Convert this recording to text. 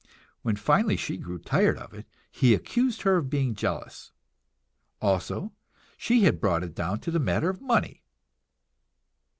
When finally she grew tired of it, he accused her of being jealous; also, she had brought it down to the matter of money!